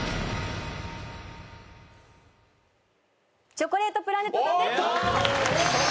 チョコレートプラネットです！